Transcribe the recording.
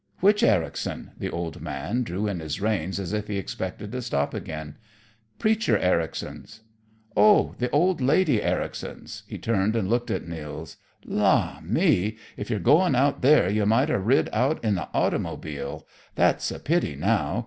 "Which Ericson?" The old man drew in his reins as if he expected to stop again. "Preacher Ericson's." "Oh, the Old Lady Ericson's!" He turned and looked at Nils. "La, me! If you're goin' out there you might 'a' rid out in the automobile. That's a pity, now.